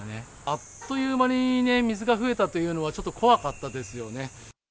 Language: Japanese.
あっという間に水が増えたというのは、ちょっと怖かったですよね。